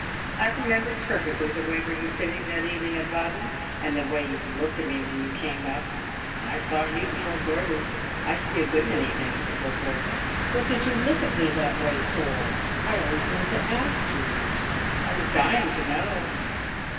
I remember perfectly the way we were sitting that evening at Baden, and the way you looked at me when you came up. I saw you before Gordon I see a good many things before Gordon. What did you look at me that way for? I always meant to ask you. I was dying to know."